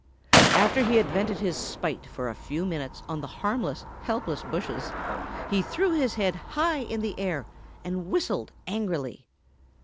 After he had vented his spite for a few minutes on the harmless, helpless bushes, he threw his head high in the air and whistled angrily.